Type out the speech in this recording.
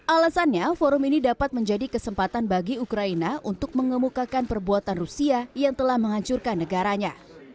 alasannya forum ini dapat menjadi kesempatan bagi ukraina untuk mengemukakan perbuatan rusia yang telah menghancurkan negaranya